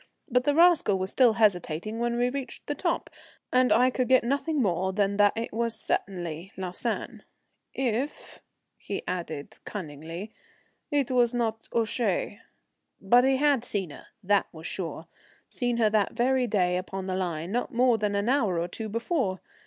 But the rascal was still hesitating when we reached the top, and I could get nothing more than that it was certainly Lausanne, "if," he added cunningly, "it was not Ouchy." But he had seen her, that was sure seen her that very day upon the line, not more than an hour or two before.